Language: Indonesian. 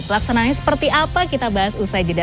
laksanaannya seperti apa kita bahas usai jeda